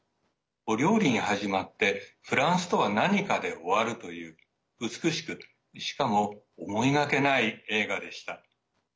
お料理に始まってフランスとは何かで終わるという美しく、しかも思いがけない映画でした。